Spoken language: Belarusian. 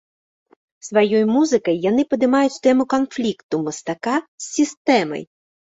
Сваёй музыкай яны падымаюць тэму канфлікту мастака з сістэмай.